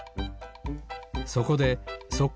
そこでそっ